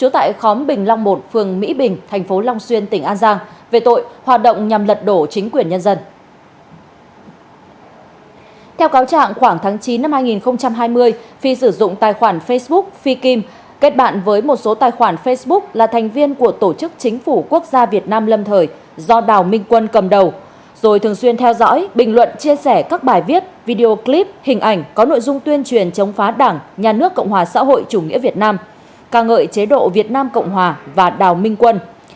tại khoảng tháng chín năm hai nghìn hai mươi phi sử dụng tài khoản facebook phi kim kết bạn với một số tài khoản facebook là thành viên của tổ chức chính phủ quốc gia việt nam lâm thời do đào minh quân cầm đầu rồi thường xuyên theo dõi bình luận chia sẻ các bài viết video clip hình ảnh có nội dung tuyên truyền chống phá đảng nhà nước cộng hòa xã hội chủ nghĩa việt nam ca ngợi chế độ việt nam cộng hòa và đào minh quân